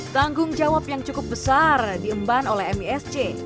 tanggung jawab yang cukup besar diemban oleh misc